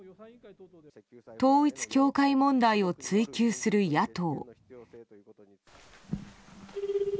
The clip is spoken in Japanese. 統一教会問題を追及する野党。